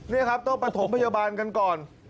นี่ครับต้องประถมพยาบาลกันก่อน